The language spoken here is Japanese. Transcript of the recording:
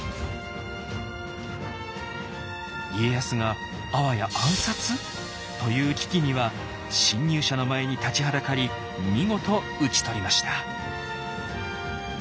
家康があわや暗殺！？という危機には侵入者の前に立ちはだかり見事討ち取りました。